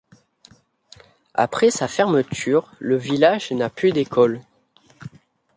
Après sa fermeture, le village n'a plus d'école.